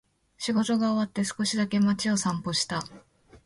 仕事が終わって、少しだけ街を散歩した。